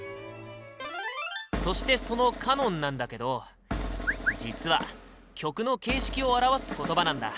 そしてその「カノン」なんだけど実は曲の形式を表す言葉なんだ。